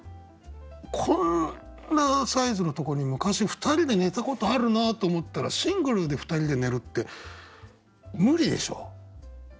こんなサイズのとこに昔２人で寝たことあるなと思ったらシングルで２人で寝るって無理でしょ。